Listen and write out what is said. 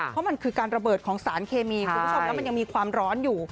เพราะมันคือการระเบิดของสารเคมีคุณผู้ชมแล้วมันยังมีความร้อนอยู่